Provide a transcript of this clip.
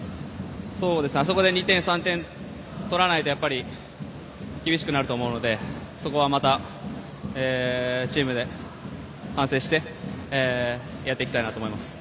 あそこで２点、３点取らないと厳しくなると思うのでそこはチームで反省してやっていきたいと思います。